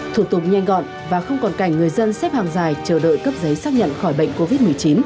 thủ tục nhanh gọn và không còn cảnh người dân xếp hàng dài chờ đợi cấp giấy xác nhận khỏi bệnh covid một mươi chín